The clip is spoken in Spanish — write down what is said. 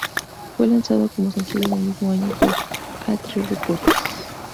Fue lanzado como sencillo en el mismo año por Attic Records.